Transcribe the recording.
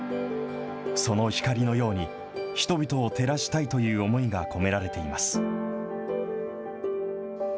その光のように、人々を照らしたいという思いが込められています。